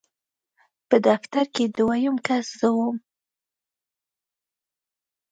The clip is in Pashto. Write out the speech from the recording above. په دفتر کې دویم کس زه وم.